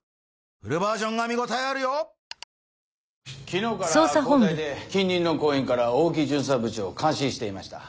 昨日から交代で近隣の公園から大木巡査部長を監視していました。